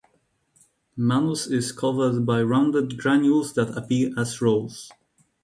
Manus is covered by rounded granules that appear as rows.